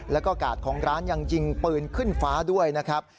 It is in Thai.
แล้วก็กาดของร้านยังยิงปืนขึ้นฟ้าด้วยนะครับ